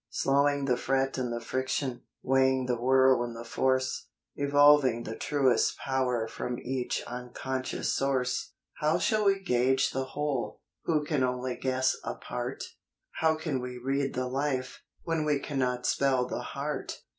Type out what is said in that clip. Slowing the fret and the friction, weighting the whirl and the force, Evolving the truest power from each unconscious source. How shall we gauge the whole, who can only guess a part ? How can we read the life, when we cannot spell the heart